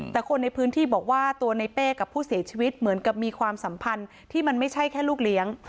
แต่คนในพื้นที่บอกว่าตัวในเป้กับผู้เสียชีวิตเหมือนกับมีความสัมพันธ์ที่มันไม่ใช่แค่ลูกเลี้ยง